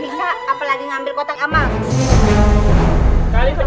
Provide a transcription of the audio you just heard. ninja kononnya sedang bahkan paling muluk